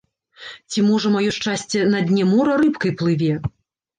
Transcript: Ці, можа, маё шчасце на дне мора рыбкай плыве?